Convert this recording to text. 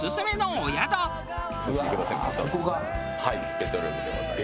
ベッドルームでございます。